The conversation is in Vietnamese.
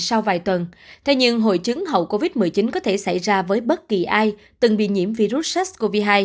sau vài tuần thế nhưng hội chứng hậu covid một mươi chín có thể xảy ra với bất kỳ ai từng bị nhiễm virus sars cov hai